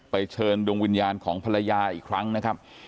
เชิญดวงวิญญาณของภรรยาอีกครั้งนะครับ